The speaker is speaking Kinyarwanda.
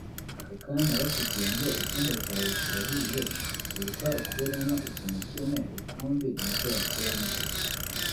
Aka kanya bakubwiye ngo icyumba cyawe kirahiye iruka ukuremo ikintu kimwe rukumbi ni iki wakuramo koko